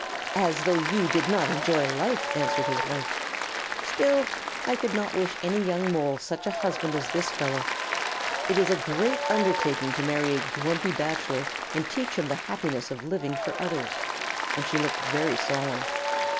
"As though you did not enjoy life!" answered his wife. "Still, I could not wish any young Mole such a husband as this fellow. It is a great undertaking to marry a grumpy bachelor and teach him the happiness of living for others." And she looked very solemn.